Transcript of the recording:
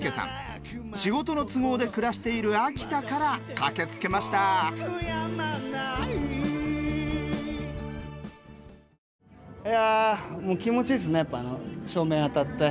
仕事の都合で暮らしている秋田から駆けつけましたいや。